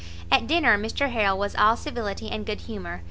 At dinner Mr Harrel was all civility and good humour.